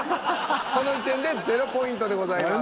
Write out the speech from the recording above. この時点で０ポイントでございます。